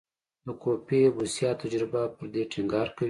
د کوفي بوسیا تجربه پر دې ټینګار کوي.